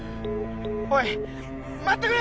おい待ってくれ！